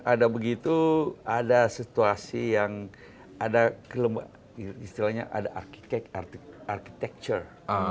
ada begitu ada situasi yang ada istilahnya ada arsitektur